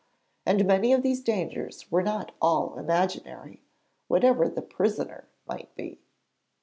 And many of these dangers were not at all imaginary, whatever the 'prisoner' might be.